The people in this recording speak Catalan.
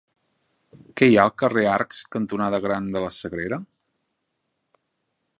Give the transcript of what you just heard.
Què hi ha al carrer Arcs cantonada Gran de la Sagrera?